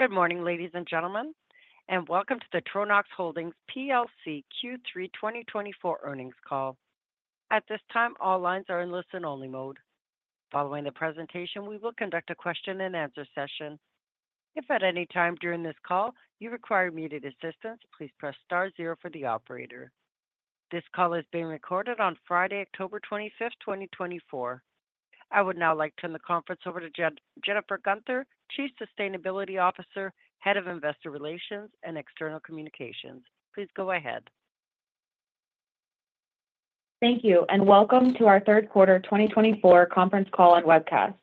Good morning, ladies and gentlemen, and welcome to the Tronox Holdings PLC Q3 2024 earnings call. At this time, all lines are in listen-only mode. Following the presentation, we will conduct a question and answer session. If at any time during this call you require immediate assistance, please press star zero for the operator. This call is being recorded on Friday, October twenty-fifth, 2024. I would now like to turn the conference over to Jennifer Gunther, Chief Sustainability Officer, Head of Investor Relations, and External Communications. Please go ahead. Thank you, and welcome to our third quarter twenty twenty-four conference call and webcast.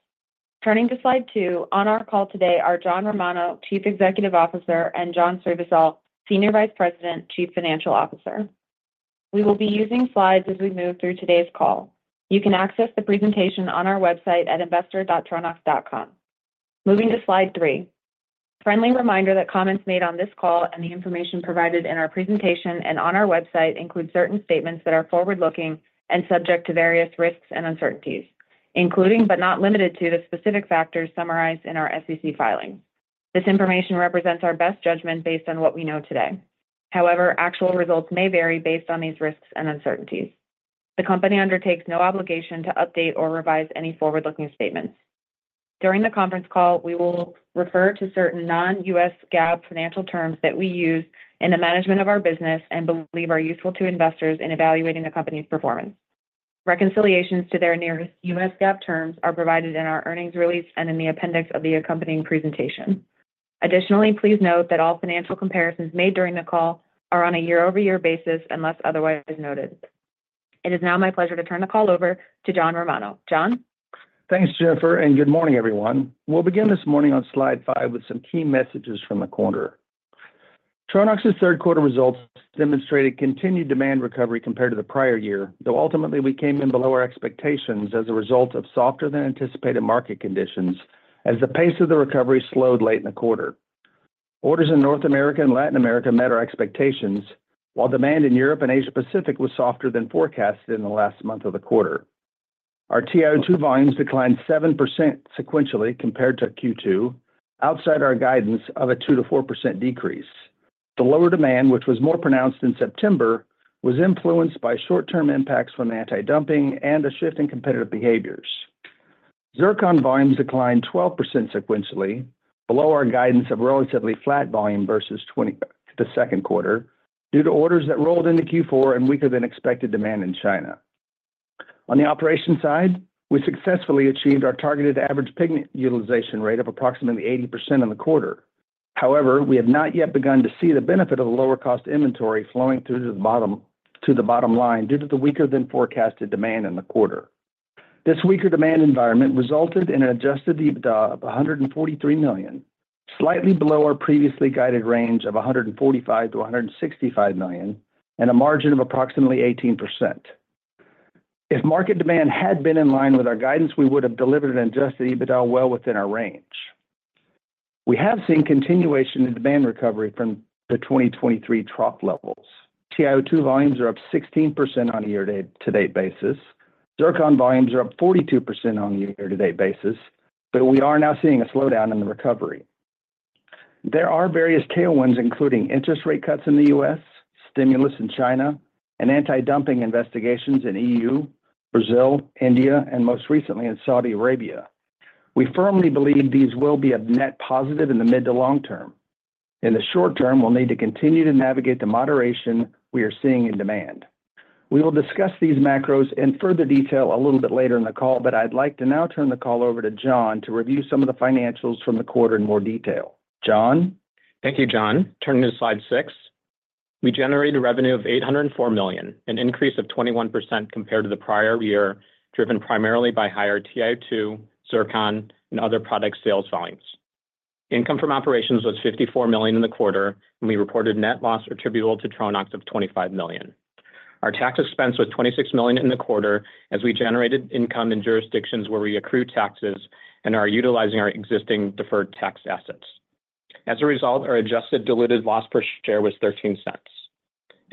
Turning to slide two, on our call today are John Romano, Chief Executive Officer, and John Srivisal, Senior Vice President, Chief Financial Officer. We will be using slides as we move through today's call. You can access the presentation on our website at investor.tronox.com. Moving to slide three. Friendly reminder that comments made on this call and the information provided in our presentation and on our website include certain statements that are forward-looking and subject to various risks and uncertainties, including but not limited to, the specific factors summarized in our SEC filing. This information represents our best judgment based on what we know today. However, actual results may vary based on these risks and uncertainties. The company undertakes no obligation to update or revise any forward-looking statements. During the conference call, we will refer to certain non-US GAAP financial terms that we use in the management of our business and believe are useful to investors in evaluating the company's performance. Reconciliations to their nearest US GAAP terms are provided in our earnings release and in the appendix of the accompanying presentation. Additionally, please note that all financial comparisons made during the call are on a year-over-year basis, unless otherwise noted. It is now my pleasure to turn the call over to John Romano. John? Thanks, Jennifer, and good morning, everyone. We'll begin this morning on slide five with some key messages from the quarter. Tronox's third quarter results demonstrated continued demand recovery compared to the prior year, though ultimately we came in below our expectations as a result of softer than anticipated market conditions, as the pace of the recovery slowed late in the quarter. Orders in North America and Latin America met our expectations, while demand in Europe and Asia Pacific was softer than forecasted in the last month of the quarter. Our TiO2 volumes declined 7% sequentially compared to Q2, outside our guidance of a 2% to 4% decrease. The lower demand, which was more pronounced in September, was influenced by short-term impacts from anti-dumping and a shift in competitive behaviors. Zircon volumes declined 12% sequentially, below our guidance of relatively flat volume versus Q2, the second quarter, due to orders that rolled into Q4 and weaker than expected demand in China. On the operations side, we successfully achieved our targeted average pigment utilization rate of approximately 80% in the quarter. However, we have not yet begun to see the benefit of the lower cost inventory flowing through to the bottom line due to the weaker than forecasted demand in the quarter. This weaker demand environment resulted in an adjusted EBITDA of $143 million, slightly below our previously guided range of $145 to $165 million, and a margin of approximately 18%. If market demand had been in line with our guidance, we would have delivered an adjusted EBITDA well within our range. We have seen continuation in demand recovery from the 2023 trough levels. TiO2 volumes are up 16% on a year-to-date basis. Zircon volumes are up 42% on a year-to-date basis, but we are now seeing a slowdown in the recovery. There are various tailwinds, including interest rate cuts in the US, stimulus in China, and anti-dumping investigations in E.U., Brazil, India, and most recently in Saudi Arabia. We firmly believe these will be a net positive in the mid to long term. In the short term, we'll need to continue to navigate the moderation we are seeing in demand. We will discuss these macros in further detail a little bit later in the call, but I'd like to now turn the call over to John to review some of the financials from the quarter in more detail. John? Thank you, John. Turning to slide 6. We generated revenue of $804 million, an increase of 21% compared to the prior year, driven primarily by higher TiO2, zircon, and other product sales volumes. Income from operations was $54 million in the quarter, and we reported net loss attributable to Tronox of $25 million. Our tax expense was $26 million in the quarter, as we generated income in jurisdictions where we accrue taxes and are utilizing our existing deferred tax assets. As a result, our adjusted diluted loss per share was $0.13.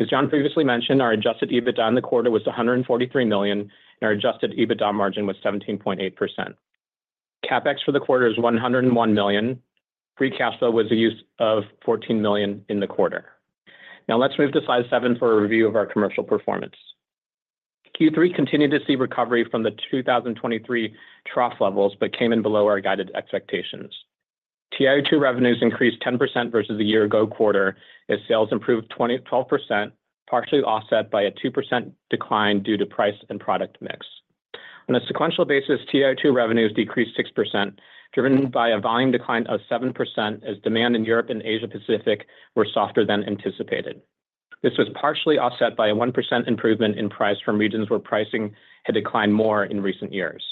As John previously mentioned, our adjusted EBITDA in the quarter was $143 million, and our adjusted EBITDA margin was 17.8%. CapEx for the quarter is $101 million. Free cash flow was the use of $14 million in the quarter. Now, let's move to slide seven for a review of our commercial performance. Q3 continued to see recovery from the 2023 trough levels, but came in below our guided expectations. TiO2 revenues increased 10% versus the year ago quarter, as sales improved 22%, partially offset by a 2% decline due to price and product mix. On a sequential basis, TiO2 revenues decreased 6%, driven by a volume decline of 7%, as demand in Europe and Asia Pacific were softer than anticipated. This was partially offset by a 1% improvement in price from regions where pricing had declined more in recent years.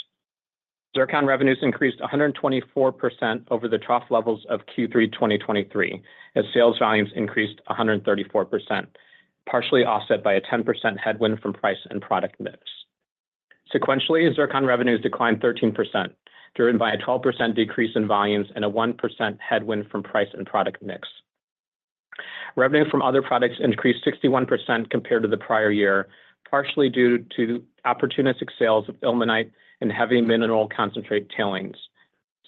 Zircon revenues increased 124% over the trough levels of Q3 2023, as sales volumes increased 134%, partially offset by a 10% headwind from price and product mix. Sequentially, zircon revenues declined 13%, driven by a 12% decrease in volumes and a 1% headwind from price and product mix. Revenue from other products increased 61% compared to the prior year, partially due to opportunistic sales of ilmenite and heavy mineral concentrate tailings.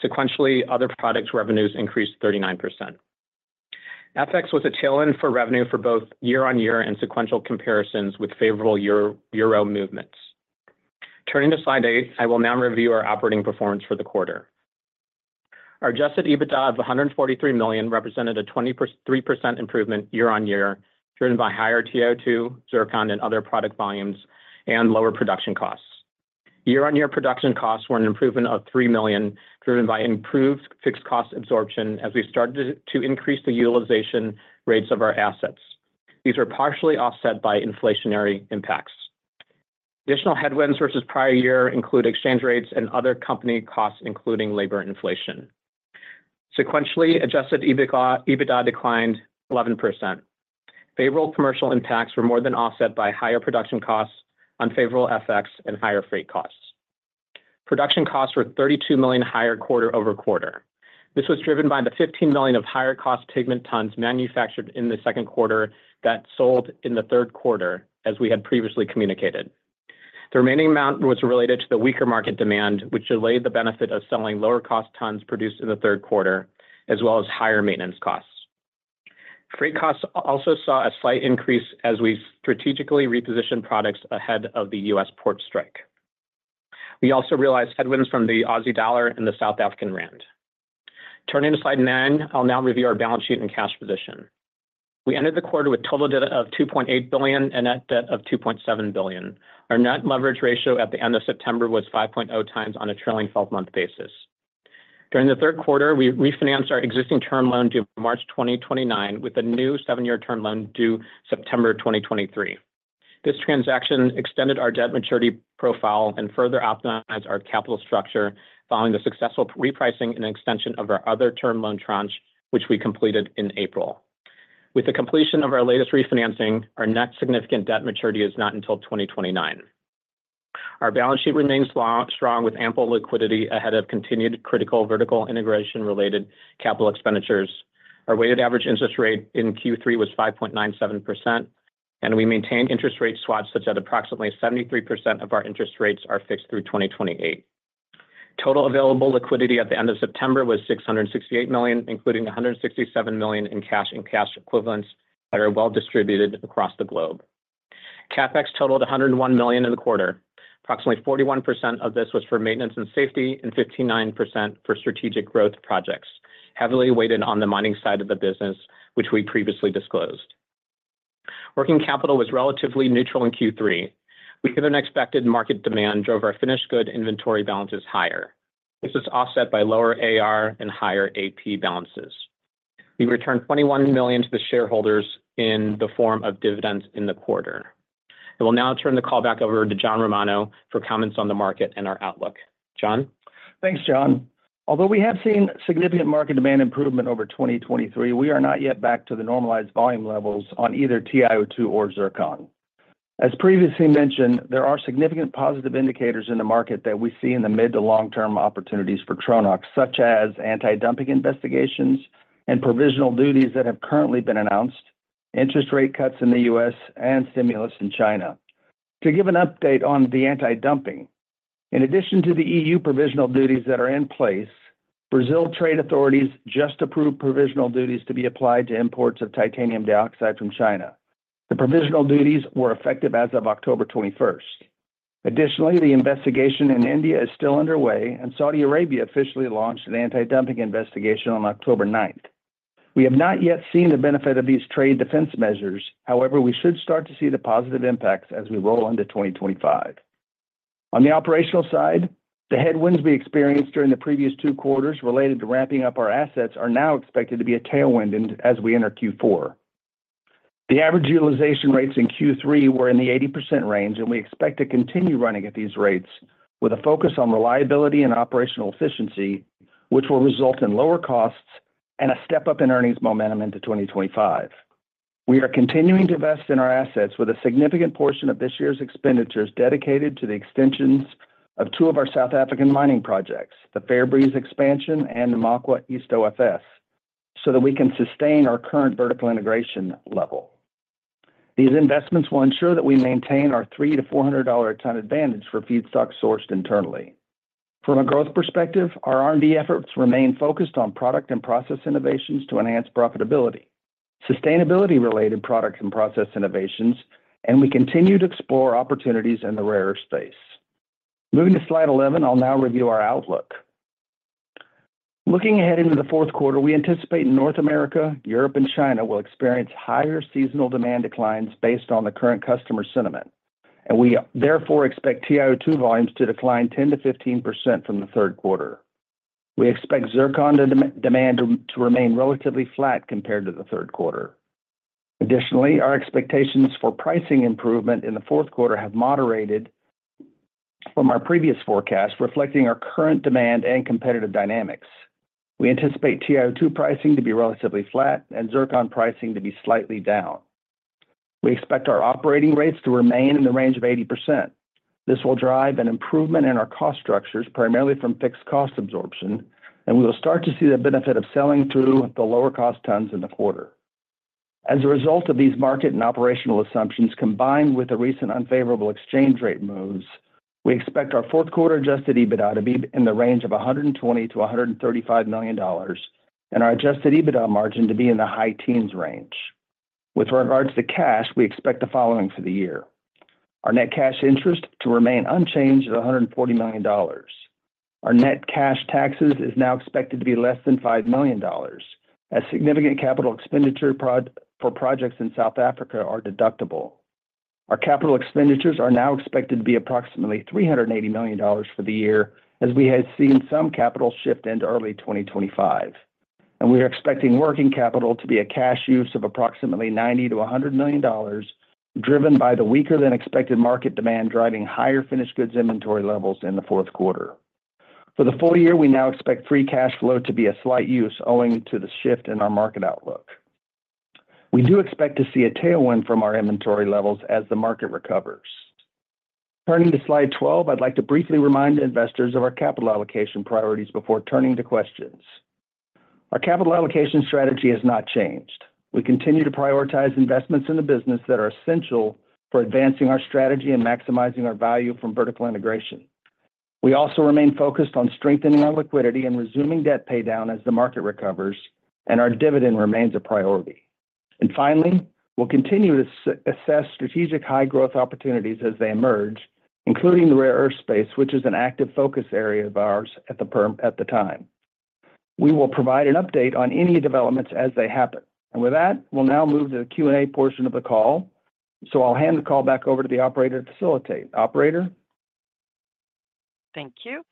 Sequentially, other products revenues increased 39%. FX was a tailwind for revenue for both year-on-year and sequential comparisons with favorable euro movements. Turning to slide eight, I will now review our operating performance for the quarter. Our adjusted EBITDA of $143 million represented a 23% improvement year-on-year, driven by higher TiO₂ zircon, and other product volumes, and lower production costs. Year-on-year production costs were an improvement of $3 million, driven by improved fixed cost absorption as we started to increase the utilization rates of our assets. These were partially offset by inflationary impacts. Additional headwinds versus prior year include exchange rates and other company costs, including labor inflation. Sequentially, adjusted EBITDA declined 11%. Favorable commercial impacts were more than offset by higher production costs, unfavorable FX, and higher freight costs. Production costs were 32 million higher quarter over quarter. This was driven by the 15 million of higher cost pigment tons manufactured in the second quarter that sold in the third quarter, as we had previously communicated. The remaining amount was related to the weaker market demand, which delayed the benefit of selling lower cost tons produced in the third quarter, as well as higher maintenance costs. Freight costs also saw a slight increase as we strategically repositioned products ahead of the US port strike. We also realized headwinds from the Aussie dollar and the South African rand. Turning to slide nine, I'll now review our balance sheet and cash position. We ended the quarter with total debt of $2.8 billion and net debt of $2.7 billion. Our net leverage ratio at the end of September was 5.0 times on a trailing twelve-month basis. During the third quarter, we refinanced our existing term loan due March 2029, with a new seven-year term loan due September 2023. This transaction extended our debt maturity profile and further optimized our capital structure following the successful repricing and extension of our other term loan tranche, which we completed in April. With the completion of our latest refinancing, our next significant debt maturity is not until 2029. Our balance sheet remains strong, with ample liquidity ahead of continued critical vertical integration-related capital expenditures. Our weighted average interest rate in Q3 was 5.97%, and we maintained interest rate swaps, such that approximately 73% of our interest rates are fixed through 2028. Total available liquidity at the end of September was $668 million, including $167 million in cash and cash equivalents that are well distributed across the globe. CapEx totaled $101 million in the quarter. Approximately 41% of this was for maintenance and safety, and 59% for strategic growth projects, heavily weighted on the mining side of the business, which we previously disclosed. Working capital was relatively neutral in Q3. Weaker-than-expected market demand drove our finished good inventory balances higher. This was offset by lower AR and higher AP balances. We returned $21 million to the shareholders in the form of dividends in the quarter. I will now turn the call back over to John Romano for comments on the market and our outlook. John? Thanks, John. Although we have seen significant market demand improvement over 2023, we are not yet back to the normalized volume levels on either TiO₂ or zircon. As previously mentioned, there are significant positive indicators in the market that we see in the mid to long-term opportunities for Tronox, such as anti-dumping investigations and provisional duties that have currently been announced, interest rate cuts in the US, and stimulus in China. To give an update on the anti-dumping, in addition to the E.U. provisional duties that are in place, Brazil trade authorities just approved provisional duties to be applied to imports of titanium dioxide from China. The provisional duties were effective as of October twenty-first. Additionally, the investigation in India is still underway, and Saudi Arabia officially launched an anti-dumping investigation on October ninth. We have not yet seen the benefit of these trade defense measures. However, we should start to see the positive impacts as we roll into 2025. On the operational side, the headwinds we experienced during the previous two quarters related to ramping up our assets are now expected to be a tailwind as we enter Q4. The average utilization rates in Q3 were in the 80% range, and we expect to continue running at these rates with a focus on reliability and operational efficiency, which will result in lower costs and a step up in earnings momentum into 2025. We are continuing to invest in our assets with a significant portion of this year's expenditures dedicated to the extensions of two of our South African mining projects, the Fairbreeze expansion and the Namakwa East OFS, so that we can sustain our current vertical integration level. These investments will ensure that we maintain our $300 to $400 a ton advantage for feedstock sourced internally. From a growth perspective, our R&D efforts remain focused on product and process innovations to enhance profitability, sustainability-related products and process innovations, and we continue to explore opportunities in the rare earth space. Moving to slide 11, I'll now review our outlook. Looking ahead into the fourth quarter, we anticipate North America, Europe, and China will experience higher seasonal demand declines based on the current customer sentiment, and we therefore expect TiO₂ volumes to decline 10% to 15% from the third quarter. We expect zircon demand to remain relatively flat compared to the third quarter. Additionally, our expectations for pricing improvement in the fourth quarter have moderated from our previous forecast, reflecting our current demand and competitive dynamics. We anticipate TiO₂ pricing to be relatively flat and zircon pricing to be slightly down. We expect our operating rates to remain in the range of 80%. This will drive an improvement in our cost structures, primarily from fixed cost absorption, and we will start to see the benefit of selling through the lower cost tons in the quarter. As a result of these market and operational assumptions, combined with the recent unfavorable exchange rate moves, we expect our fourth quarter adjusted EBITDA to be in the range of $120 million to $135 million, and our adjusted EBITDA margin to be in the high teens range. With regards to cash, we expect the following for the year: Our net cash interest to remain unchanged at $140 million. Our net cash taxes is now expected to be less than $5 million, as significant capital expenditures for projects in South Africa are deductible. Our capital expenditures are now expected to be approximately $380 million for the year, as we had seen some capital shift into early 2025. We are expecting working capital to be a cash use of approximately $90 to $100 million, driven by the weaker than expected market demand, driving higher finished goods inventory levels in the fourth quarter. For the full year, we now expect free cash flow to be a slight use, owing to the shift in our market outlook. We do expect to see a tailwind from our inventory levels as the market recovers. Turning to slide 12, I'd like to briefly remind investors of our capital allocation priorities before turning to questions. Our capital allocation strategy has not changed. We continue to prioritize investments in the business that are essential for advancing our strategy and maximizing our value from vertical integration. We also remain focused on strengthening our liquidity and resuming debt paydown as the market recovers, and our dividend remains a priority. And finally, we'll continue to assess strategic high growth opportunities as they emerge, including the rare earth space, which is an active focus area of ours at the time. We will provide an update on any developments as they happen. And with that, we'll now move to the Q&A portion of the call. So I'll hand the call back over to the operator to facilitate. Operator? Thank you.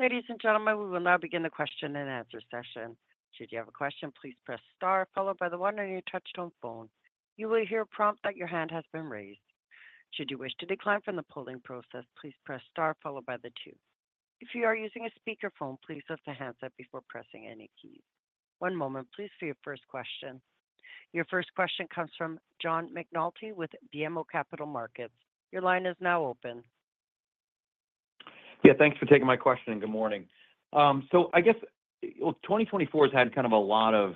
Ladies and gentlemen, we will now begin the question and answer session. Should you have a question, please press star followed by the one on your touch tone phone. You will hear a prompt that your hand has been raised. Should you wish to decline from the polling process, please press star followed by the two. If you are using a speakerphone, please lift the handset before pressing any keys. One moment, please, for your first question. Your first question comes from John McNulty with BMO Capital Markets. Your line is now open. Yeah, thanks for taking my question, and good morning. So I guess, well, 2024 has had kind of a lot of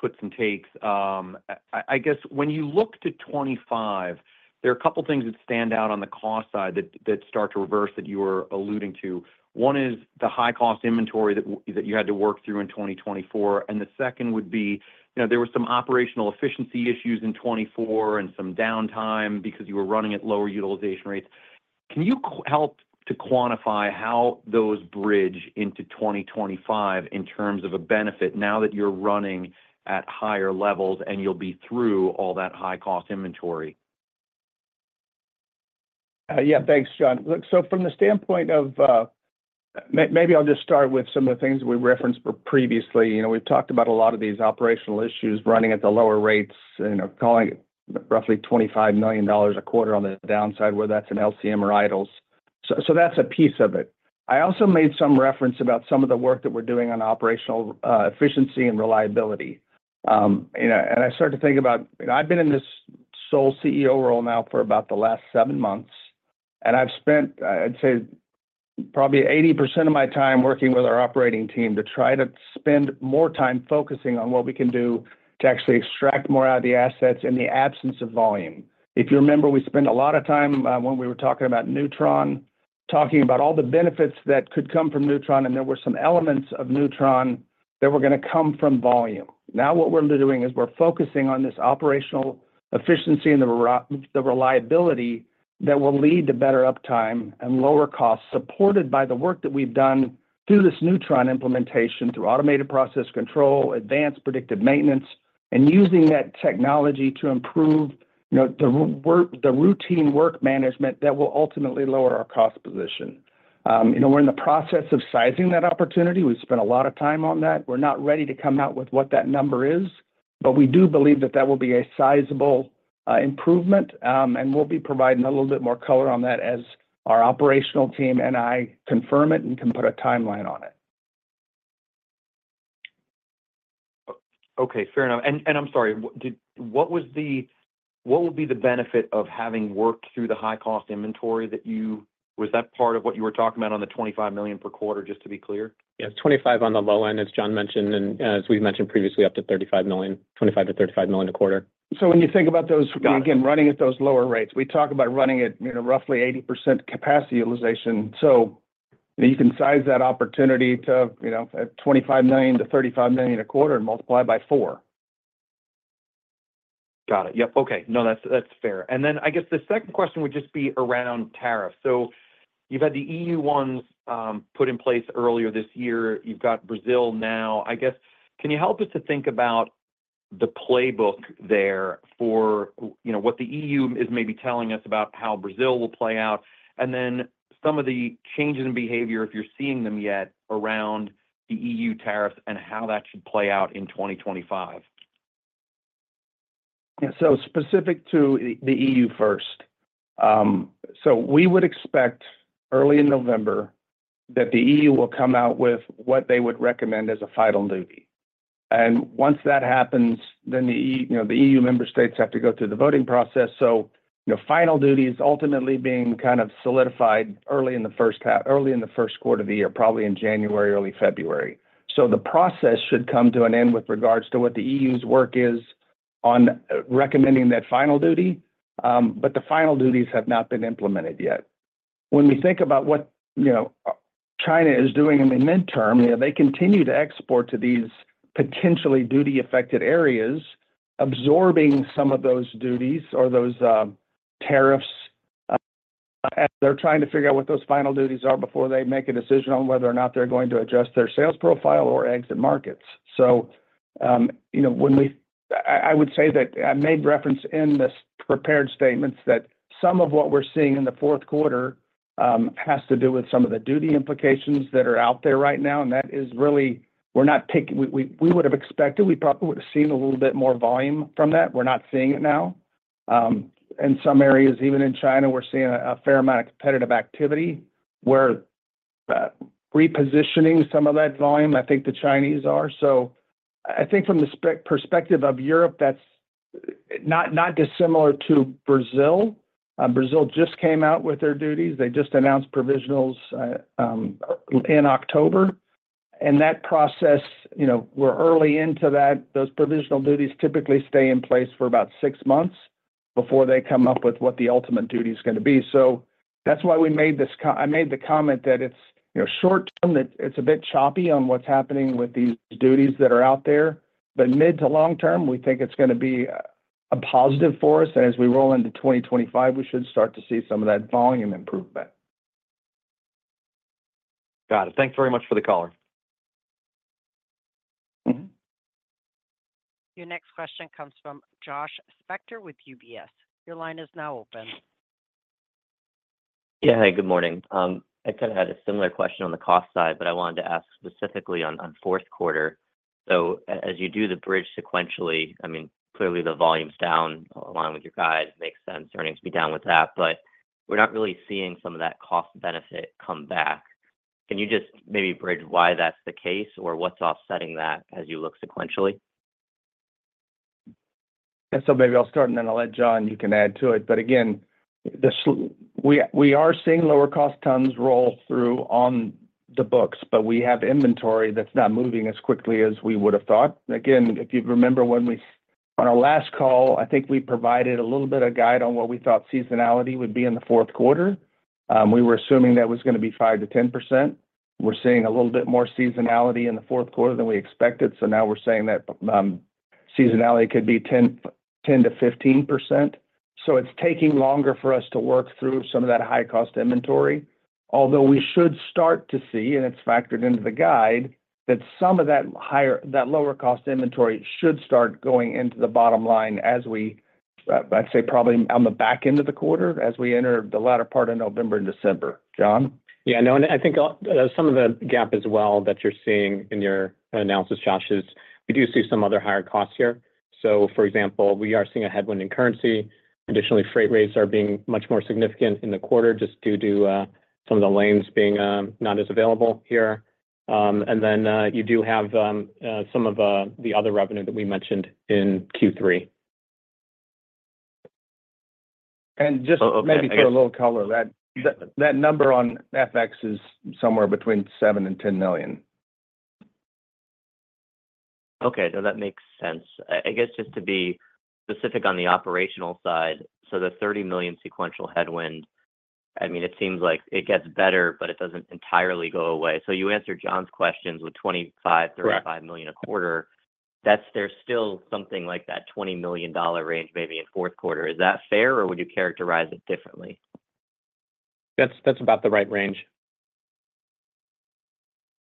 puts and takes. I guess when you look to 2025, there are a couple of things that stand out on the cost side that start to reverse that you were alluding to. One is the high cost inventory that you had to work through in 2024, and the second would be, you know, there were some operational efficiency issues in 2024 and some downtime because you were running at lower utilization rates. Can you help to quantify how those bridge into 2025 in terms of a benefit, now that you're running at higher levels and you'll be through all that high-cost inventory? Yeah. Thanks, John. Look, so from the standpoint of, maybe I'll just start with some of the things we referenced previously. You know, we've talked about a lot of these operational issues running at the lower rates and, you know, calling it roughly $25 million a quarter on the downside, whether that's in LCM or idles. So, that's a piece of it. I also made some reference about some of the work that we're doing on operational efficiency and reliability. You know, and I started to think about, you know, I've been in this sole CEO role now for about the last seven months, and I've spent, I'd say probably 80% of my time working with our operating team to try to spend more time focusing on what we can do to actually extract more out of the assets in the absence of volume. If you remember, we spent a lot of time, when we were talking about newTRON, talking about all the benefits that could come from newTRON, and there were some elements of newTRON that were gonna come from volume. Now, what we're doing is we're focusing on this operational efficiency and the reliability that will lead to better uptime and lower costs, supported by the work that we've done through this Neutron implementation, through automated process control, advanced predictive maintenance, and using that technology to improve, you know, the routine work management that will ultimately lower our cost position. You know, we're in the process of sizing that opportunity. We've spent a lot of time on that. We're not ready to come out with what that number is, but we do believe that that will be a sizable improvement. We'll be providing a little bit more color on that as our operational team and I confirm it and can put a timeline on it. Okay, fair enough. And, I'm sorry, what would be the benefit of having worked through the high-cost inventory that you-- Was that part of what you were talking about on the $25 million per quarter, just to be clear? Yes, $25 on the low end, as John mentioned, and as we've mentioned previously, up to $35 million, $25 to $35 million a quarter. So when you think about those- Got it... again, running at those lower rates, we talk about running at, you know, roughly 80% capacity utilization. So you can size that opportunity to, you know, $25 million to $35 million a quarter and multiply by four. Got it. Yep, okay. No, that's fair. And then I guess the second question would just be around tariffs. So you've had the EU ones put in place earlier this year. You've got Brazil now. I guess, can you help us to think about the playbook there for, you know, what the EU is maybe telling us about how Brazil will play out, and then some of the changes in behavior, if you're seeing them yet, around the EU tariffs and how that should play out in 2025? Yeah. So specific to the EU first? So we would expect early in November that the EU will come out with what they would recommend as a final duty. And once that happens, then the EU, you know, the EU member states have to go through the voting process. So, you know, final duty is ultimately being kind of solidified early in the first half early in the first quarter of the year, probably in January, early February. So the process should come to an end with regards to what the EU's work is on recommending that final duty, but the final duties have not been implemented yet. When we think about what, you know, China is doing in the midterm, you know, they continue to export to these potentially duty-affected areas, absorbing some of those duties or those tariffs. They're trying to figure out what those final duties are before they make a decision on whether or not they're going to adjust their sales profile or exit markets. So, you know, when I would say that I made reference in this prepared statements that some of what we're seeing in the fourth quarter has to do with some of the duty implications that are out there right now, and that is really. We're not taking we would have expected, we probably would have seen a little bit more volume from that. We're not seeing it now. In some areas, even in China, we're seeing a fair amount of competitive activity, where repositioning some of that volume, I think the Chinese are. So I think from the specific perspective of Europe, that's not dissimilar to Brazil. Brazil just came out with their duties. They just announced provisionals in October. And that process, you know, we're early into that. Those provisional duties typically stay in place for about six months before they come up with what the ultimate duty is gonna be. So that's why I made the comment that it's, you know, short term, it, it's a bit choppy on what's happening with these duties that are out there, but mid to long term, we think it's gonna be a positive for us. And as we roll into 2025, we should start to see some of that volume improvement. Got it. Thanks very much for the color. Mm-hmm. Your next question comes from Josh Spector with UBS. Your line is now open. Yeah, hi, good morning. I kind of had a similar question on the cost side, but I wanted to ask specifically on fourth quarter. So as you do the bridge sequentially, I mean, clearly, the volume's down along with your guide. Makes sense for earnings to be down with that, but we're not really seeing some of that cost benefit come back. Can you just maybe bridge why that's the case, or what's offsetting that as you look sequentially? Yeah, so maybe I'll start, and then I'll let John, you can add to it. But again, we are seeing lower-cost tons roll through on the books, but we have inventory that's not moving as quickly as we would have thought. Again, if you remember, on our last call, I think we provided a little bit of guide on what we thought seasonality would be in the fourth quarter. We were assuming that was gonna be 5% to 10%. We're seeing a little bit more seasonality in the fourth quarter than we expected, so now we're saying that seasonality could be 10% to 15%. So it's taking longer for us to work through some of that high-cost inventory. Although we should start to see, and it's factored into the guide, that some of that lower-cost inventory should start going into the bottom line as we, I'd say, probably on the back end of the quarter, as we enter the latter part of November and December. John? Yeah, no, and I think some of the gap as well that you're seeing in your analysis, Josh, is we do see some other higher costs here. So for example, we are seeing a headwind in currency. Additionally, freight rates are being much more significant in the quarter, just due to some of the lanes being not as available here, and then you do have some of the other revenue that we mentioned in Q3. And just- Oh, okay, I guess-... maybe for a little color, that number on FX is somewhere between $7 million and $10 million. Okay, no, that makes sense. I, I guess just to be specific on the operational side, so the 30 million sequential headwind, I mean, it seems like it gets better, but it doesn't entirely go away. So you answered John's questions with 25- Correct... $35 million a quarter. That's. There's still something like that $20 million range maybe in fourth quarter. Is that fair, or would you characterize it differently? That's about the right range.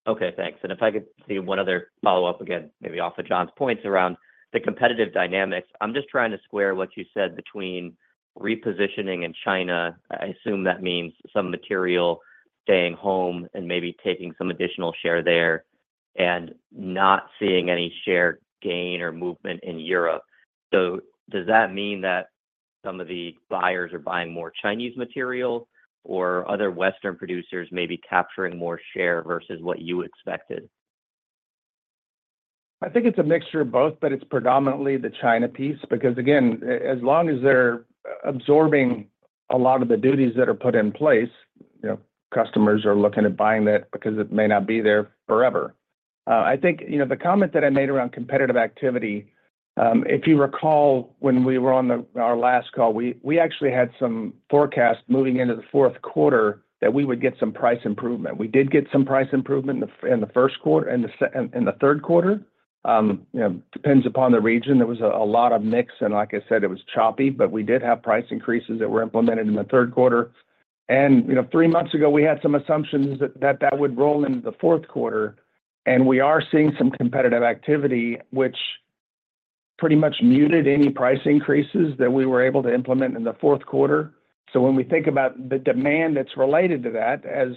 Okay, thanks. And if I could see one other follow-up again, maybe off of John's points around the competitive dynamics. I'm just trying to square what you said between repositioning in China. I assume that means some material staying home and maybe taking some additional share there, and not seeing any share gain or movement in Europe. So does that mean that some of the buyers are buying more Chinese material, or other Western producers may be capturing more share versus what you expected? I think it's a mixture of both, but it's predominantly the China piece. Because, again, as long as they're absorbing a lot of the duties that are put in place, you know, customers are looking at buying that because it may not be there forever. I think, you know, the comment that I made around competitive activity, if you recall, when we were on our last call, we actually had some forecasts moving into the fourth quarter that we would get some price improvement. We did get some price improvement in the first quarter, and the second quarter, and the third quarter. You know, depends upon the region. There was a lot of mix, and like I said, it was choppy, but we did have price increases that were implemented in the third quarter. You know, three months ago, we had some assumptions that that would roll into the fourth quarter, and we are seeing some competitive activity, which pretty much muted any price increases that we were able to implement in the fourth quarter. So when we think about the demand that's related to that, as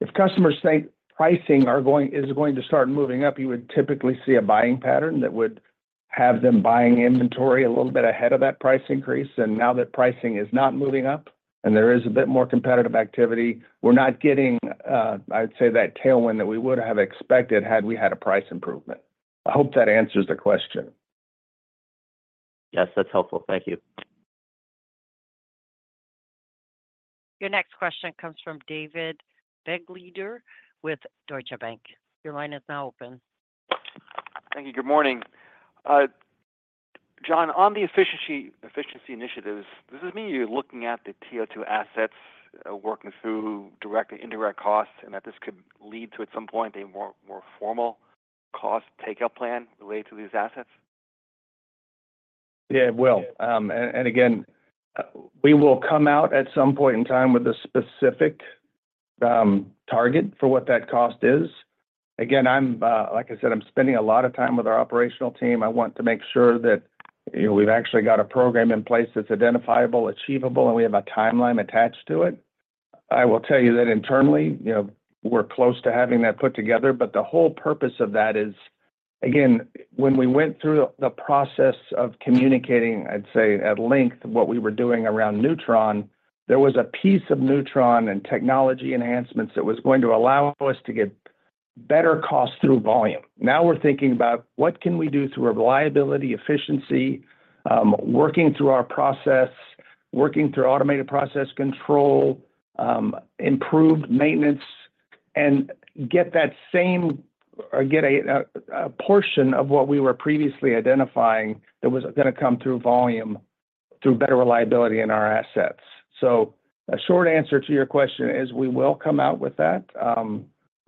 if customers think pricing is going to start moving up, you would typically see a buying pattern that would have them buying inventory a little bit ahead of that price increase. Now that pricing is not moving up, and there is a bit more competitive activity, we're not getting, I'd say, that tailwind that we would have expected had we had a price improvement. I hope that answers the question. Yes, that's helpful. Thank you. Your next question comes from David Begleiter with Deutsche Bank. Your line is now open. Thank you. Good morning. John, on the efficiency initiatives, does this mean you're looking at the TiO2 assets, working through direct and indirect costs, and that this could lead to, at some point, a more formal cost takeout plan related to these assets? Yeah, it will. And again, we will come out at some point in time with a specific target for what that cost is. Again, like I said, I'm spending a lot of time with our operational team. I want to make sure that, you know, we've actually got a program in place that's identifiable, achievable, and we have a timeline attached to it. I will tell you that internally, you know, we're close to having that put together, but the whole purpose of that is, again, when we went through the process of communicating, I'd say, at length, what we were doing around Neutron, there was a piece of Neutron and technology enhancements that was going to allow us to get better cost through volume. Now, we're thinking about what can we do through reliability, efficiency, working through our process, working through automated process control, improved maintenance, and get that same or get a portion of what we were previously identifying that was gonna come through volume, through better reliability in our assets. So a short answer to your question is, we will come out with that,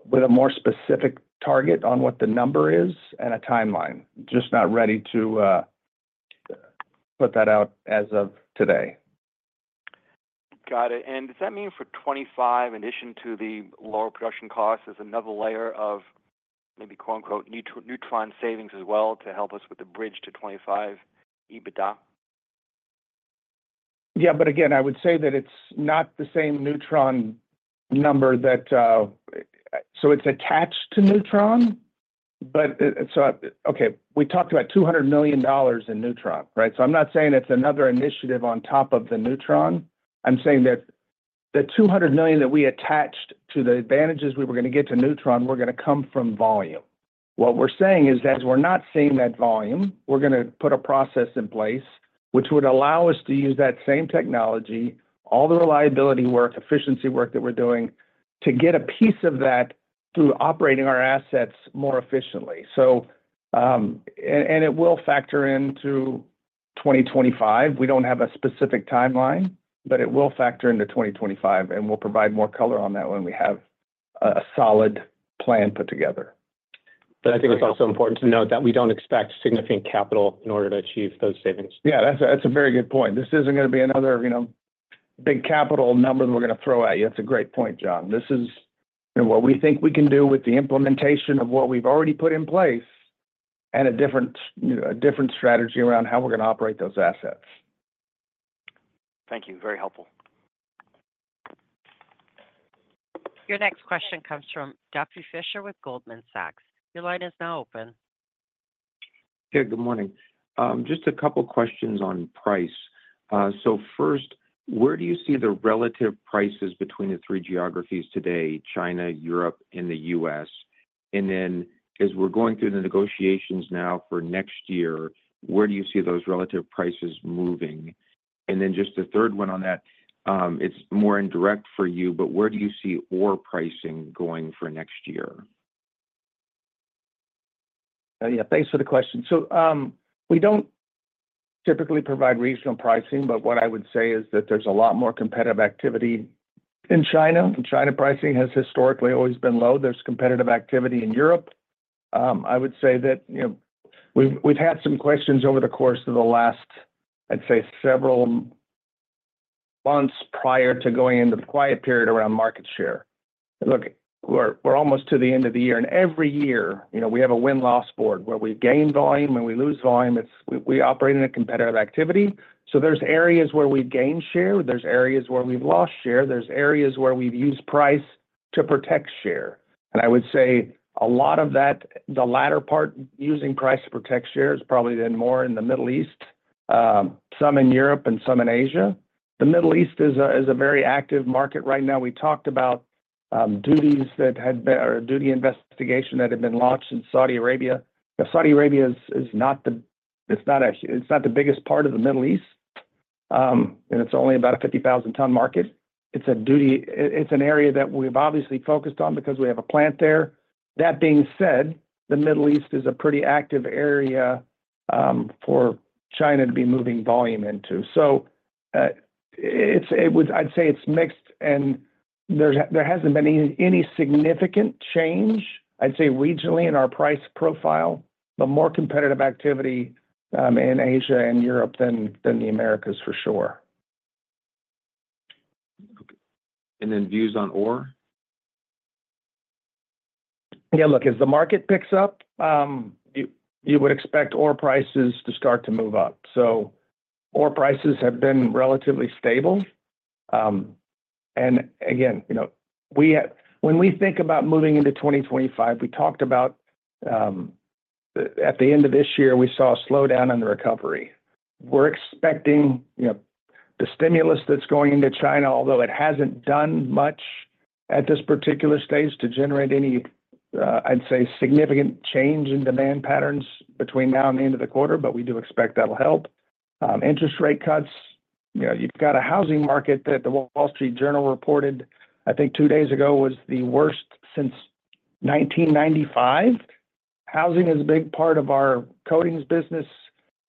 with a more specific target on what the number is and a timeline. Just not ready to put that out as of today. Got it. And does that mean for 2025, in addition to the lower production cost, there's another layer of maybe quote, unquote, "Neutron savings" as well to help us with the bridge to 2025 EBITDA? Yeah, but again, I would say that it's not the same Neutron number that. So it's attached to Neutron, but, so. Okay, we talked about $200 million in Neutron, right? So I'm not saying it's another initiative on top of the Neutron. I'm saying that the $200 million that we attached to the advantages we were gonna get to Neutron, were gonna come from volume. What we're saying is that as we're not seeing that volume, we're gonna put a process in place, which would allow us to use that same technology, all the reliability work, efficiency work that we're doing to get a piece of that through operating our assets more efficiently. So, and it will factor into 2025. We don't have a specific timeline, but it will factor into 2025, and we'll provide more color on that when we have a solid plan put together. But I think it's also important to note that we don't expect significant capital in order to achieve those savings. Yeah, that's a very good point. This isn't gonna be another, you know, big capital number that we're gonna throw at you. That's a great point, John. This is, you know, what we think we can do with the implementation of what we've already put in place and a different, you know, strategy around how we're gonna operate those assets. Thank you. Very helpful. Your next question comes from Jeffrey Fisher with Goldman Sachs. Your line is now open. Yeah, good morning. Just a couple questions on price. So first, where do you see the relative prices between the three geographies today, China, Europe, and the US? And then, as we're going through the negotiations now for next year, where do you see those relative prices moving? And then just the third one on that, it's more indirect for you, but where do you see ore pricing going for next year? Yeah, thanks for the question. So, we don't typically provide regional pricing, but what I would say is that there's a lot more competitive activity in China. China pricing has historically always been low. There's competitive activity in Europe. I would say that, you know, we've had some questions over the course of the last, I'd say, several months prior to going into the quiet period around market share. Look, we're almost to the end of the year, and every year, you know, we have a win-loss board, where we gain volume, and we lose volume. It's. We operate in a competitive activity, so there's areas where we've gained share, there's areas where we've lost share, there's areas where we've used price to protect share. And I would say a lot of that, the latter part, using price to protect share, is probably been more in the Middle East, some in Europe and some in Asia. The Middle East is a very active market right now. We talked about duties or duty investigation that had been launched in Saudi Arabia. Now, Saudi Arabia is not actually the biggest part of the Middle East, and it's only about a 50,000-ton market. It's an area that we've obviously focused on because we have a plant there. That being said, the Middle East is a pretty active area for China to be moving volume into. So, I'd say it's mixed, and there hasn't been any significant change, I'd say, regionally in our price profile, but more competitive activity in Asia and Europe than the Americas, for sure. Okay. And then views on ore? Yeah, look, as the market picks up, you would expect ore prices to start to move up. So ore prices have been relatively stable. And again, you know, we have when we think about moving into 2025, we talked about, at the end of this year, we saw a slowdown in the recovery. We're expecting, you know, the stimulus that's going into China, although it hasn't done much at this particular stage to generate any, I'd say, significant change in demand patterns between now and the end of the quarter, but we do expect that'll help. Interest rate cuts, you know, you've got a housing market that The Wall Street Journal reported, I think two days ago, was the worst since 1995. Housing is a big part of our coatings business,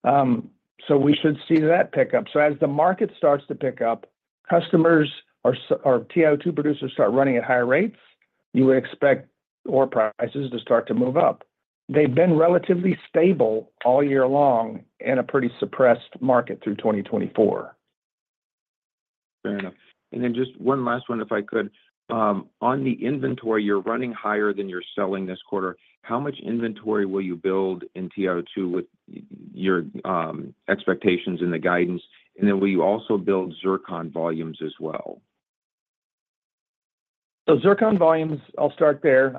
so we should see that pick up. So as the market starts to pick up, customers or TiO2 producers start running at higher rates, you would expect ore prices to start to move up. They've been relatively stable all year long in a pretty suppressed market through 2024. Fair enough. And then just one last one, if I could. On the inventory, you're running higher than you're selling this quarter. How much inventory will you build in TiO2 with your expectations in the guidance? And then will you also build zircon volumes as well? Zircon volumes, I'll start there.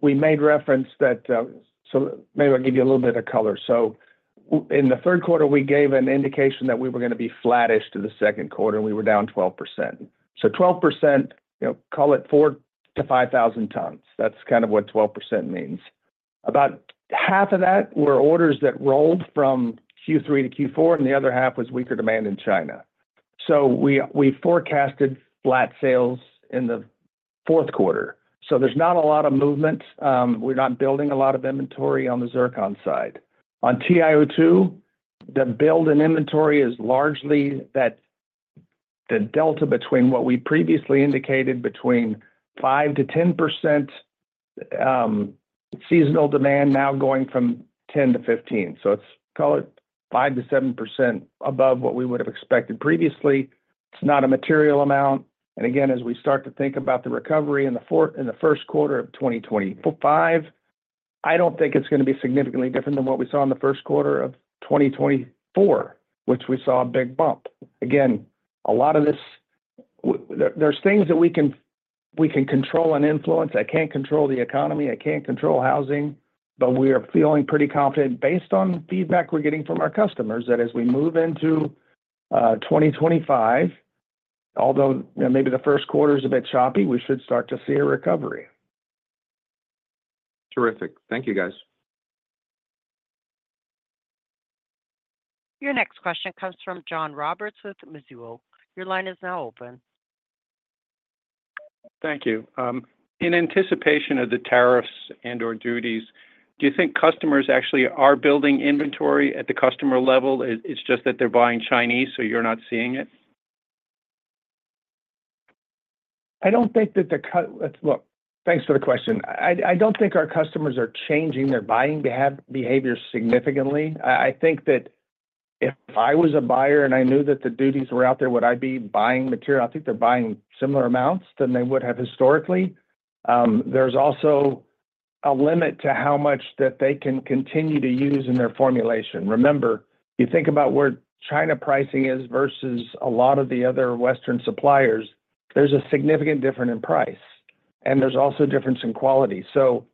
We made reference that. So maybe I'll give you a little bit of color. So in the third quarter, we gave an indication that we were gonna be flattish to the second quarter, and we were down 12%. So 12%, you know, call it four to five thousand tons. That's kind of what 12% means. About half of that were orders that rolled from Q3 to Q4, and the other half was weaker demand in China. So we forecasted flat sales in the fourth quarter, so there's not a lot of movement. We're not building a lot of inventory on the zircon side. On TiO2, the build in inventory is largely that, the delta between what we previously indicated between 5 to 10% seasonal demand now going from 10 to 15%.Let's call it 5 to 7% above what we would have expected previously. It's not a material amount, and again, as we start to think about the recovery in the first quarter of 2025, I don't think it's gonna be significantly different than what we saw in the first quarter of 2024, which we saw a big bump. Again, a lot of this, there are things that we can control and influence. I can't control the economy, I can't control housing, but we are feeling pretty confident based on feedback we're getting from our customers, that as we move into 2025, although you know, maybe the first quarter is a bit choppy, we should start to see a recovery. Terrific. Thank you, guys. Your next question comes from John Roberts with Mizuho. Your line is now open. Thank you. In anticipation of the tariffs and/or duties, do you think customers actually are building inventory at the customer level? It's just that they're buying Chinese, so you're not seeing it? I don't think that. Look, thanks for the question. I don't think our customers are changing their buying behavior significantly. I think that if I was a buyer and I knew that the duties were out there, would I be buying material? I think they're buying similar amounts than they would have historically. There's also a limit to how much that they can continue to use in their formulation. Remember, you think about where China pricing is versus a lot of the other Western suppliers, there's a significant difference in price, and there's also a difference in quality. So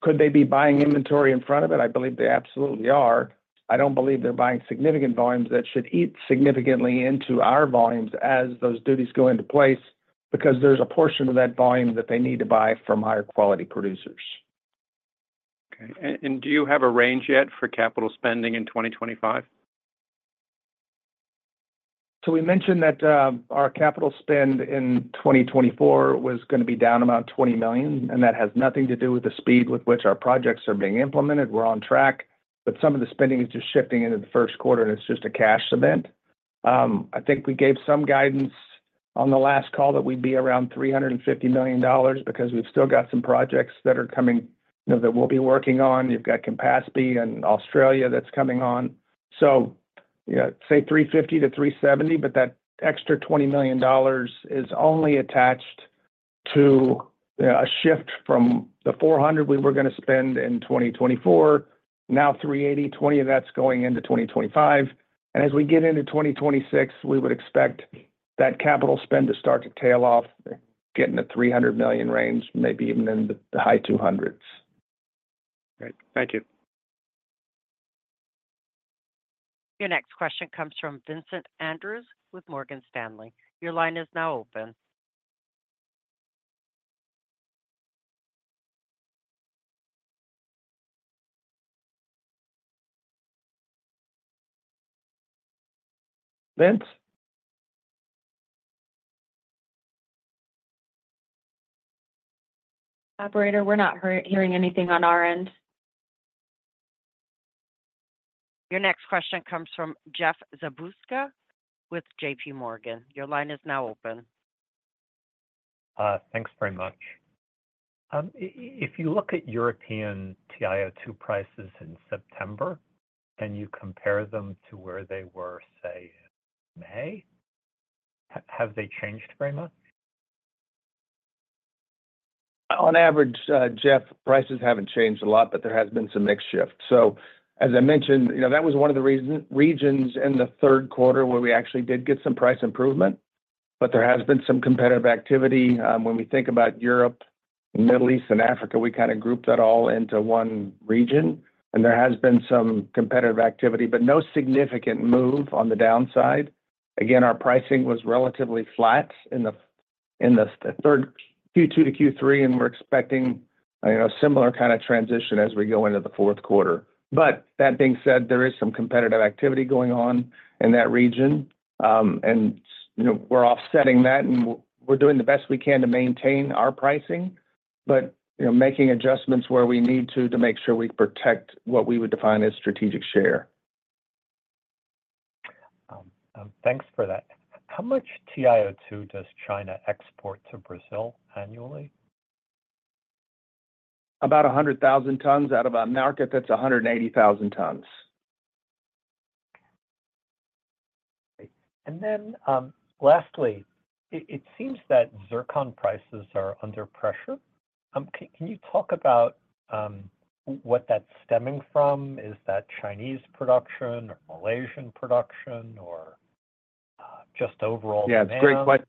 could they be buying inventory in front of it? I believe they absolutely are. I don't believe they're buying significant volumes that should eat significantly into our volumes as those duties go into place, because there's a portion of that volume that they need to buy from higher quality producers. Okay. Do you have a range yet for capital spending in 2025? So we mentioned that our capital spend in 2024 was gonna be down about $20 million, and that has nothing to do with the speed with which our projects are being implemented. We're on track, but some of the spending is just shifting into the first quarter, and it's just a cash event. I think we gave some guidance on the last call that we'd be around $350 million because we've still got some projects that are coming, you know, that we'll be working on. You've got capacity in Australia that's coming on. So, yeah, say $350 to $370, but that extra $20 million is only attached to a shift from the $400 we were gonna spend in 2024. Now, $380, $20 of that's going into 2025. As we get into 2026, we would expect that capital spend to start to tail off, getting to $300 million range, maybe even in the high two hundreds. Great. Thank you. Your next question comes from Vincent Andrews with Morgan Stanley. Your line is now open. Vince? Operator, we're not hearing anything on our end. Your next question comes from Jeff Zekauskas with J.P. Morgan. Your line is now open. Thanks very much. If you look at European TiO2 prices in September, and you compare them to where they were, say, in May, have they changed very much?... On average, Jeff, prices haven't changed a lot, but there has been some mix shift. So as I mentioned, you know, that was one of the reasons, regions in the third quarter where we actually did get some price improvement, but there has been some competitive activity. When we think about Europe, and Middle East, and Africa, we kind of grouped that all into one region, and there has been some competitive activity, but no significant move on the downside. Again, our pricing was relatively flat in the third, Q2 to Q3, and we're expecting, you know, similar kind of transition as we go into the fourth quarter. But that being said, there is some competitive activity going on in that region. You know, we're offsetting that, and we're doing the best we can to maintain our pricing, but, you know, making adjustments where we need to, to make sure we protect what we would define as strategic share. Thanks for that. How much TiO2 does China export to Brazil annually? About 100,000 tons out of a market that's 180,000 tons. Okay. And then, lastly, it seems that zircon prices are under pressure. Can you talk about what that's stemming from? Is that Chinese production or Malaysian production, or just overall demand? Yeah, it's a great que-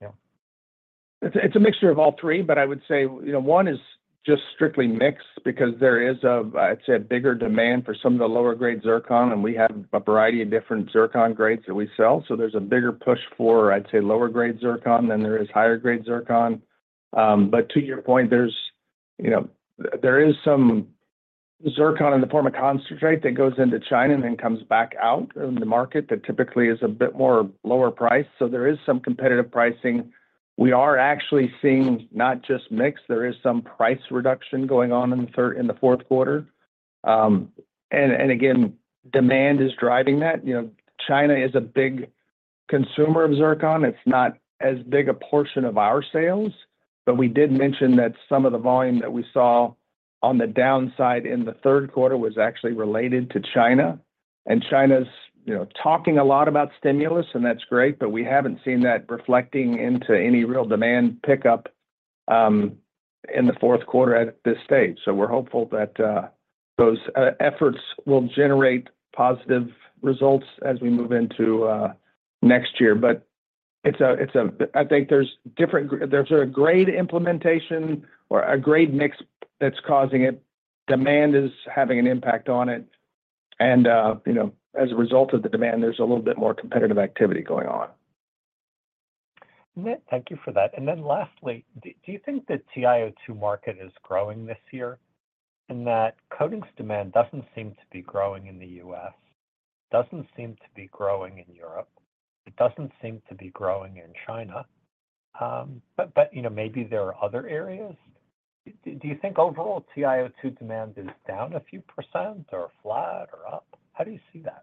Yeah. It's a mixture of all three, but I would say, you know, one is just strictly mixed because there is a bigger demand for some of the lower grade zircon, and we have a variety of different zircon grades that we sell. So there's a bigger push for, I'd say, lower grade zircon than there is higher grade zircon. But to your point, there's, you know, there is some zircon in the form of concentrate that goes into China and then comes back out in the market. That typically is a bit more lower price, so there is some competitive pricing. We are actually seeing not just mix, there is some price reduction going on in the fourth quarter. And again, demand is driving that. You know, China is a big consumer of zircon. It's not as big a portion of our sales, but we did mention that some of the volume that we saw on the downside in the third quarter was actually related to China, and China's, you know, talking a lot about stimulus, and that's great, but we haven't seen that reflecting into any real demand pickup in the fourth quarter at this stage, so we're hopeful that those efforts will generate positive results as we move into next year, but it's a grade implementation or a grade mix that's causing it. Demand is having an impact on it, and, you know, as a result of the demand, there's a little bit more competitive activity going on. Thank you for that. And then lastly, do you think the TiO2 market is growing this year? In that, coatings demand doesn't seem to be growing in the US, doesn't seem to be growing in Europe, it doesn't seem to be growing in China, but, you know, maybe there are other areas. Do you think overall TiO2 demand is down a few % or flat or up? How do you see that?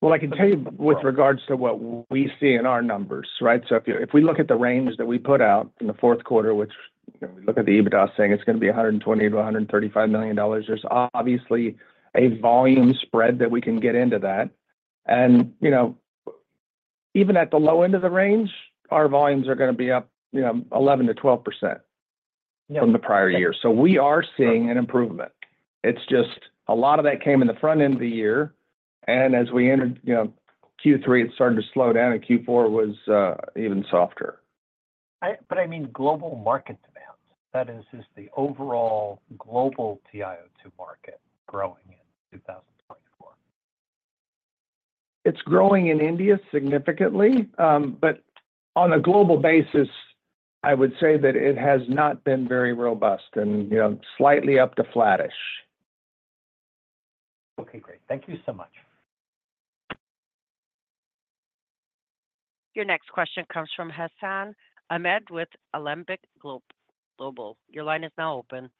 I can tell you with regards to what we see in our numbers, right? So if we look at the range that we put out in the fourth quarter, which, you know, we look at the EBITDA saying it's gonna be $120 million to $135 million, there's obviously a volume spread that we can get into that. And, you know, even at the low end of the range, our volumes are gonna be up, you know, 11% to 12%. Yeah... from the prior year. So we are seeing an improvement. It's just a lot of that came in the front end of the year, and as we entered, you know, Q3, it started to slow down, and Q4 was even softer. But I mean, global market demands. That is, is the overall global TiO2 market growing in 2024? It's growing in India significantly, but on a global basis, I would say that it has not been very robust and, you know, slightly up to flattish. Okay, great. Thank you so much. Your next question comes from Hassan Ahmed with Alembic Global. Your line is now open.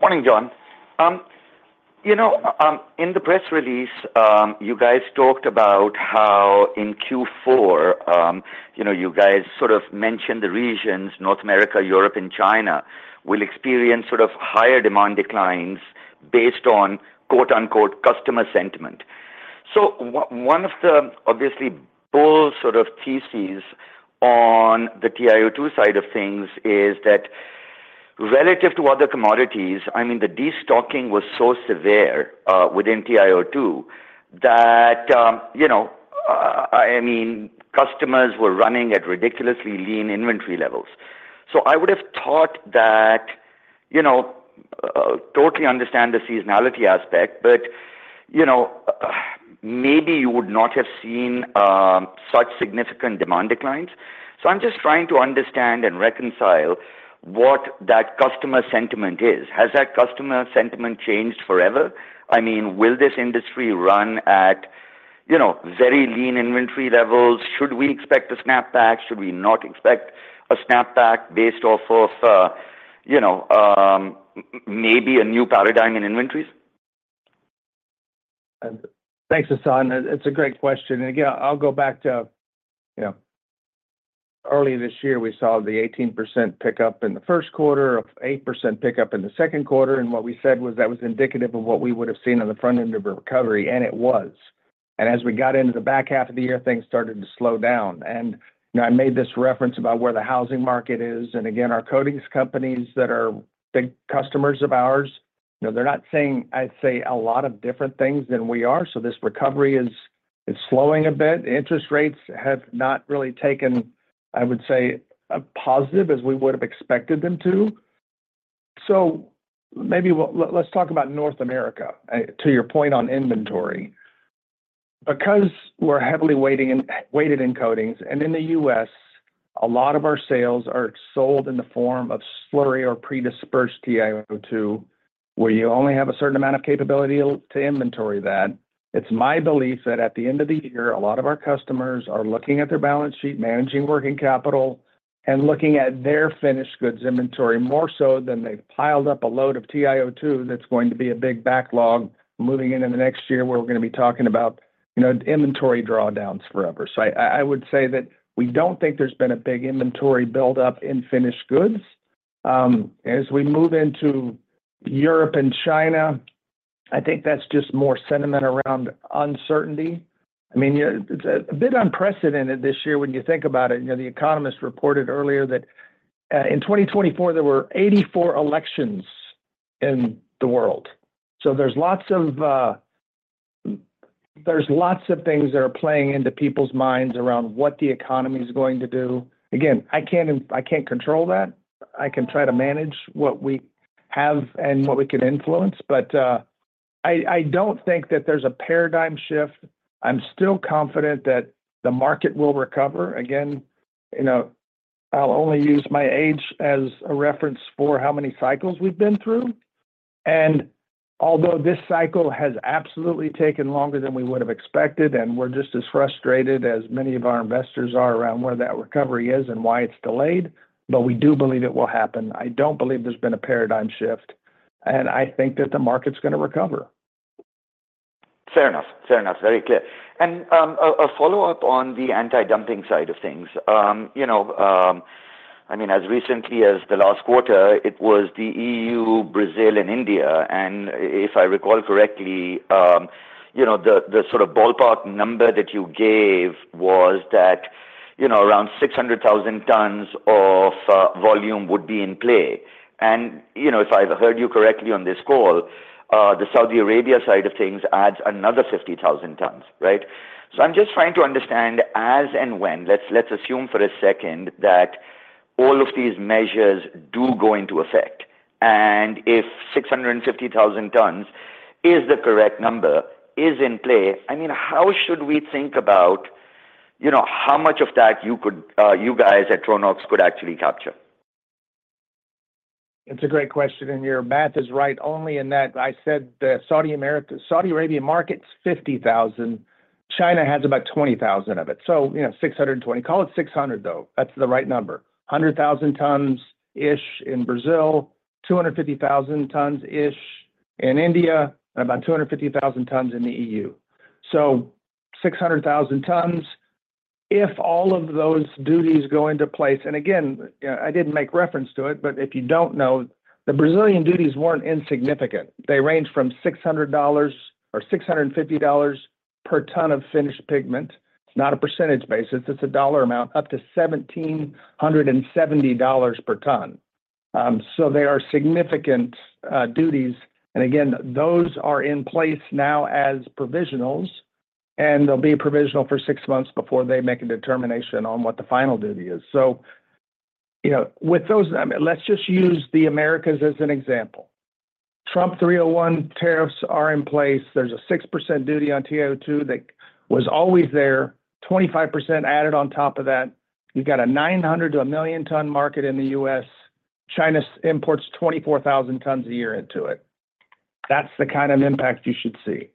Morning, John. You know, in the press release, you guys talked about how in Q4, you know, you guys sort of mentioned the regions, North America, Europe, and China, will experience sort of higher demand declines based on, quote, unquote, "customer sentiment." So one of the obviously bull sort of theses on the TiO2 side of things is that relative to other commodities, I mean, the destocking was so severe, within TiO2, that, you know, I mean, customers were running at ridiculously lean inventory levels. So I would have thought that, you know, maybe you would not have seen, such significant demand declines. So I'm just trying to understand and reconcile what that customer sentiment is. Has that customer sentiment changed forever? I mean, will this industry run at, you know, very lean inventory levels? Should we expect a snapback? Should we not expect a snapback based off of, you know, maybe a new paradigm in inventories? Thanks, Hassan. It's a great question, and again, I'll go back to, you know, early this year, we saw the 18% pickup in the first quarter, 8% pickup in the second quarter, and what we said was that was indicative of what we would have seen on the front end of a recovery, and it was, and as we got into the back half of the year, things started to slow down. And, you know, I made this reference about where the housing market is, and again, our coatings companies that are big customers of ours, you know, they're not saying, I'd say, a lot of different things than we are. So this recovery is slowing a bit. Interest rates have not really taken, I would say, as positive as we would have expected them to. So maybe let's talk about North America, to your point on inventory. Because we're heavily weighted in coatings, and in the US, a lot of our sales are sold in the form of slurry or pre-dispersed TiO2, where you only have a certain amount of capability to inventory that. It's my belief that at the end of the year, a lot of our customers are looking at their balance sheet, managing working capital, and looking at their finished goods inventory, more so than they've piled up a load of TiO2 that's going to be a big backlog moving into the next year, where we're gonna be talking about, you know, inventory drawdowns forever. So I would say that we don't think there's been a big inventory buildup in finished goods. As we move into Europe and China, I think that's just more sentiment around uncertainty. I mean, yeah, it's a bit unprecedented this year when you think about it. You know, The Economist reported earlier that in 2024, there were 84 elections in the world. So there's lots of things that are playing into people's minds around what the economy is going to do. Again, I can't control that. I can try to manage what we have and what we can influence, but I don't think that there's a paradigm shift. I'm still confident that the market will recover. Again, you know, I'll only use my age as a reference for how many cycles we've been through. And although this cycle has absolutely taken longer than we would have expected, and we're just as frustrated as many of our investors are around where that recovery is and why it's delayed, but we do believe it will happen. I don't believe there's been a paradigm shift, and I think that the market's gonna recover. Fair enough. Fair enough. Very clear. And, a follow-up on the anti-dumping side of things. You know, I mean, as recently as the last quarter, it was the EU, Brazil, and India, and if I recall correctly, you know, the sort of ballpark number that you gave was that, you know, around six hundred thousand tons of volume would be in play. And, you know, if I've heard you correctly on this call, the Saudi Arabia side of things adds another fifty thousand tons, right? I'm just trying to understand as and when. Let's assume for a second that all of these measures do go into effect, and if 650,000 tons is the correct number in play. I mean, how should we think about, you know, how much of that you guys at Tronox could actually capture? It's a great question, and your math is right only in that I said the Saudi Amer- Saudi Arabian market's 50,000. China has about 20,000 of it. So, you know, 620. Call it 600, though. That's the right number. 100,000 tons-ish in Brazil, 250,000 tons-ish in India, and about 250,000 tons in the EU. So 600,000 tons, if all of those duties go into place, and again, I didn't make reference to it, but if you don't know, the Brazilian duties weren't insignificant. They range from $600 or $650 per ton of finished pigment. It's not a percentage basis, it's a dollar amount, up to $1,770 per ton. So they are significant duties. Again, those are in place now as provisionals, and they'll be provisional for six months before they make a determination on what the final duty is. So, you know, with those, let's just use the Americas as an example. Trump 301 tariffs are in place. There's a 6% duty on TiO2 that was always there, 25% added on top of that. You've got a 900-1 million ton market in the US. China imports 24,000 tons a year into it. That's the kind of impact you should see.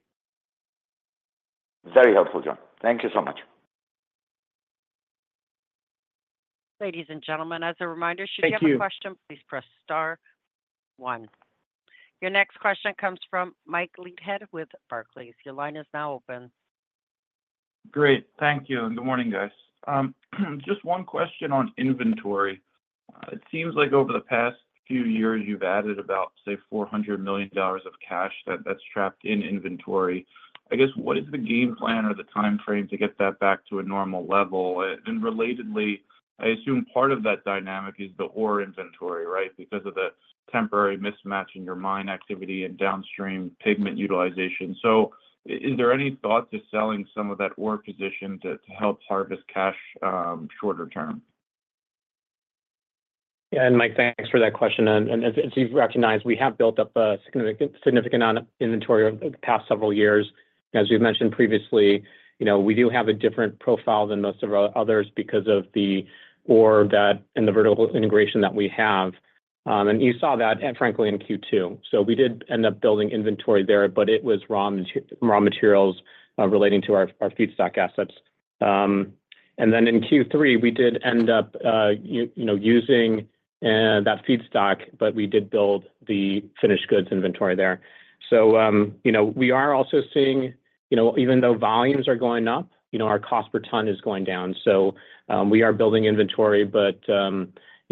Very helpful, John. Thank you so much. Ladies and gentlemen, as a reminder- Thank you... should you have a question, please press star one. Your next question comes from Mike Leithead with Barclays. Your line is now open. Great. Thank you, and good morning, guys. Just one question on inventory. It seems like over the past few years, you've added about $400 million of cash that's trapped in inventory. I guess, what is the game plan or the time frame to get that back to a normal level? And relatedly, I assume part of that dynamic is the ore inventory, right? Because of the temporary mismatch in your mine activity and downstream pigment utilization. So is there any thought to selling some of that ore position to help harvest cash shorter term? Yeah, and Mike, thanks for that question. And as you've recognized, we have built up a significant amount of inventory over the past several years. As we've mentioned previously, you know, we do have a different profile than most of our others because of the ore that and the vertical integration that we have. And you saw that, and frankly, in Q2. We did end up building inventory there, but it was raw materials relating to our feedstock assets. And then in Q3, we did end up you know, using that feedstock, but we did build the finished goods inventory there. So you know, we are also seeing you know, even though volumes are going up, you know, our cost per ton is going down. So, we are building inventory, but,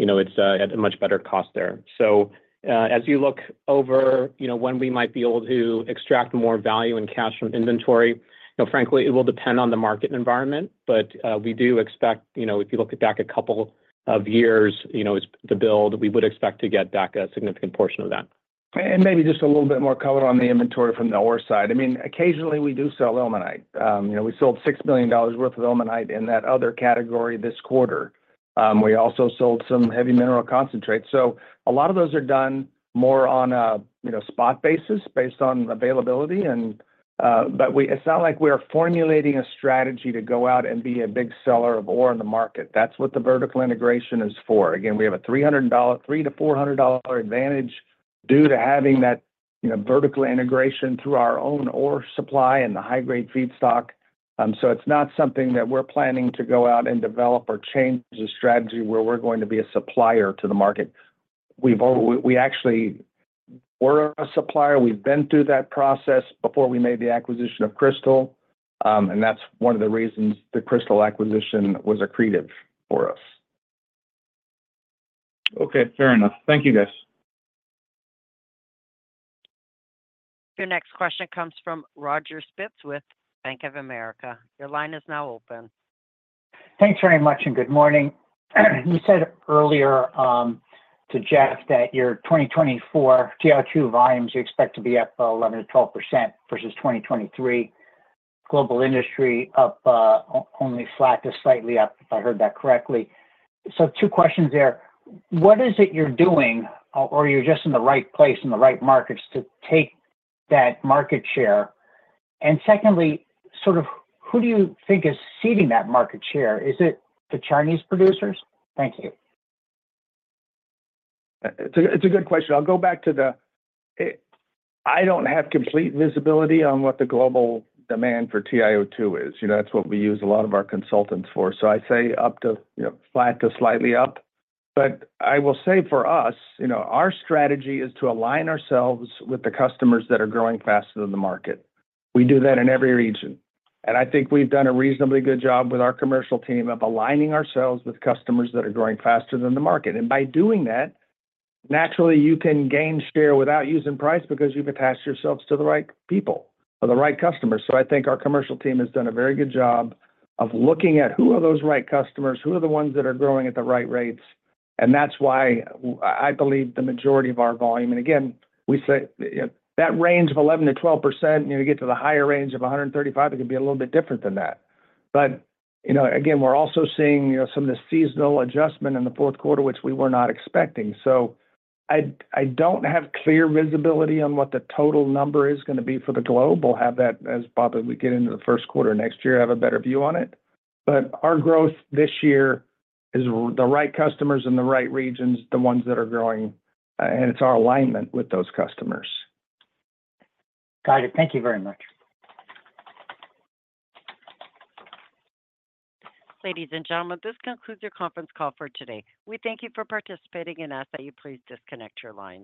you know, it's at a much better cost there. So, as you look over, you know, when we might be able to extract more value and cash from inventory, you know, frankly, it will depend on the market environment, but, we do expect, you know, if you look back a couple of years, you know, it's the build, we would expect to get back a significant portion of that. Maybe just a little bit more color on the inventory from the ore side. I mean, occasionally, we do sell ilmenite. You know, we sold $6 million worth of ilmenite in that other category this quarter. We also sold some heavy mineral concentrate. So a lot of those are done more on a, you know, spot basis, based on availability and. But it's not like we're formulating a strategy to go out and be a big seller of ore in the market. That's what the vertical integration is for. Again, we have a $300 to $400 dollar advantage due to having that, you know, vertical integration through our own ore supply and the high-grade feedstock. So it's not something that we're planning to go out and develop or change the strategy, where we're going to be a supplier to the market. We actually were a supplier. We've been through that process before we made the acquisition of Cristal, and that's one of the reasons the Cristal acquisition was accretive for us. Okay, fair enough. Thank you, guys. Your next question comes from Roger Spitz with Bank of America. Your line is now open. Thanks very much, and good morning. You said earlier, to Jeff that your 2024 TiO2 volumes, you expect to be up 11% to 12% versus 2023. Global industry up only flat to slightly up, if I heard that correctly. So two questions there: What is it you're doing, or you're just in the right place, in the right markets to take that market share? And secondly, sort of, who do you think is ceding that market share? Is it the Chinese producers? Thank you. It's a good question. I'll go back to the, I don't have complete visibility on what the global demand for TiO2 is. You know, that's what we use a lot of our consultants for. So I'd say up to, you know, flat to slightly up. But I will say for us, you know, our strategy is to align ourselves with the customers that are growing faster than the market. We do that in every region, and I think we've done a reasonably good job with our commercial team of aligning ourselves with customers that are growing faster than the market. And by doing that, naturally, you can gain share without using price because you've attached yourselves to the right people or the right customers. I think our commercial team has done a very good job of looking at who are those right customers, who are the ones that are growing at the right rates, and that's why I believe the majority of our volume. And again, we say, you know, that range of 11% to 12%, you know, you get to the higher range of 135, it could be a little bit different than that. But, you know, again, we're also seeing, you know, some of the seasonal adjustment in the fourth quarter, which we were not expecting. I don't have clear visibility on what the total number is gonna be for the globe. We'll have that as probably we get into the first quarter next year, have a better view on it. But our growth this year is the right customers in the right regions, the ones that are growing, and it's our alignment with those customers. Got it. Thank you very much. Ladies and gentlemen, this concludes your conference call for today. We thank you for participating and ask that you please disconnect your lines.